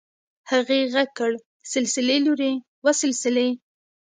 هغې غږ کړ سلسلې لورې وه سلسلې.